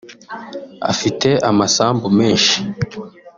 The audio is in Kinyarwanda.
Afite amasambu menshi